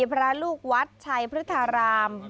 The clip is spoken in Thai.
พระลูกวัดชัยพฤทธาราม